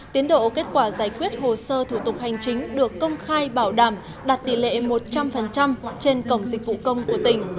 tiến độ kết quả giải quyết hồ sơ thủ tục hành chính được công khai bảo đảm đạt tỷ lệ một trăm linh trên cổng dịch vụ công của tỉnh